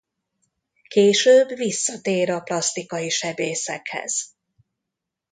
Később visszatér a plasztikai sebészekhez.